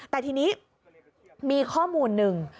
แต่ทีนี้มีข้อมูลหนึ่ง